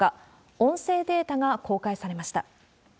音声データが公開されました。